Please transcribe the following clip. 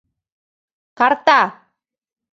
Карта!..